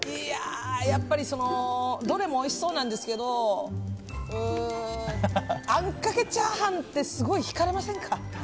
やっぱりどれもおいしそうなんですけどあんかけ炒飯ってすごい引かれませんか？